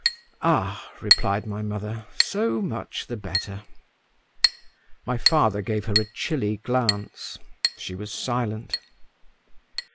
"Ah," replied my mother, "so much the better." My father gave her a chilly glance; she was silent.